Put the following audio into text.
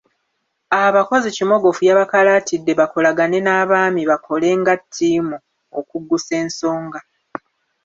Abakozi Kimogofu yabakalaatidde bakolagane n’Abaami bakole nga ttiimu okuggusa ensonga.